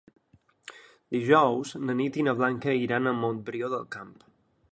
Dijous na Nit i na Blanca iran a Montbrió del Camp.